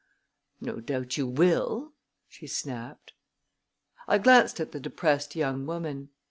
"No doubt you will!" she snapped. I glanced at the depressed young woman.